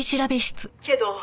けど